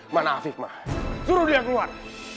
mana afif mah suruh dia keluar